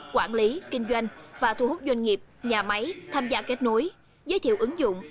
quản lý kinh doanh và thu hút doanh nghiệp nhà máy tham gia kết nối giới thiệu ứng dụng